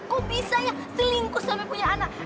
kok bisa ya selingkuh sampai punya anak